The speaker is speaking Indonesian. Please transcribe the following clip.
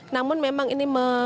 namun memang ini memandang